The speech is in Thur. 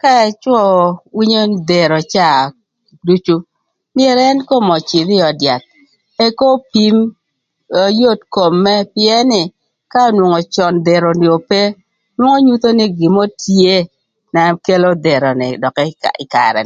Ka ëcwö winyo dhero caa ducu myero ën kom öcïdh ï öd yath ëk opim yot kom mërë pïën nï ka onwongo cön dhero ni ope nwongo nyutho nï gin mörö tye na kelo dhero ni dökï karë kï karë.